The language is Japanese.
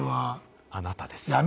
あなたです。